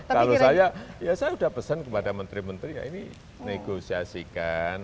kalau saya ya saya sudah pesan kepada menteri menteri ya ini negosiasikan